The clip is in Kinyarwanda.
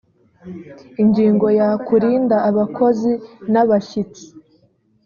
ingingo ya kurinda abakozi n abashyitsi